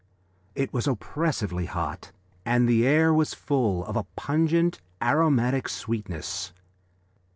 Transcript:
It was oppressively hot and the air was full of a pungent, aromatic sweetness.